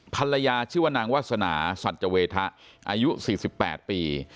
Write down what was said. ชื่อว่านางวาสนาสัจเวทะอายุ๔๘ปี